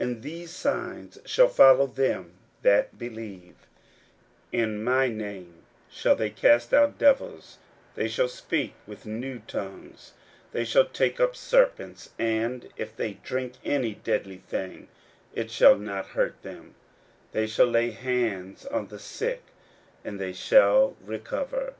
41:016:017 And these signs shall follow them that believe; In my name shall they cast out devils; they shall speak with new tongues; 41:016:018 They shall take up serpents; and if they drink any deadly thing, it shall not hurt them; they shall lay hands on the sick, and they shall recover.